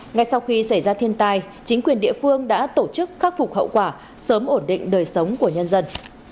ngay sau khi xảy ra thiên tai chính quyền địa phương đã tổ chức khắc phục hậu quả sớm ổn định đời sống của nhân dân